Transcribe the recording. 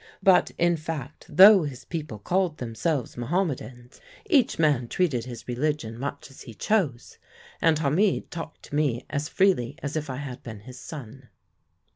But in fact, though his people called themselves Mahommedans, each man treated his religion much as he chose, and Hamid talked to me as freely as if I had been his son.